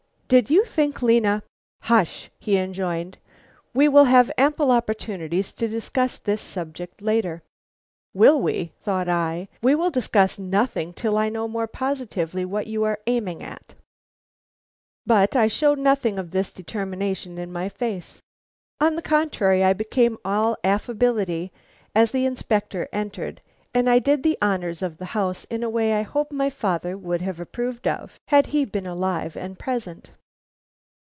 Did you think Lena " "Hush!" he enjoined, "we will have ample opportunities to discuss this subject later." "Will we?" thought I. "We will discuss nothing till I know more positively what you are aiming at." But I showed nothing of this determination in my face. On the contrary, I became all affability as the Inspector entered, and I did the honors of the house in a way I hope my father would have approved of, had he been alive and present.